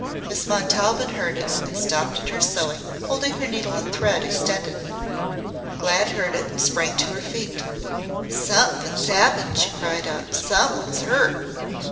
Miss Montaubyn heard it and stopped in her sewing, holding her needle and thread extended. Glad heard it and sprang to her feet. "Somethin's 'appened," she cried out. "Someone's 'urt."